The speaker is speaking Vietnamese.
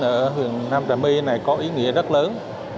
ở huyện nam trà my này có ý nghĩa rất lớn